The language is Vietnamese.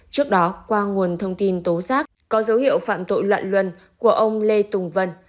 trước đó qua nguồn thông tin tố giác có dấu hiệu phạm tội loạn luân của ông lê tùng vân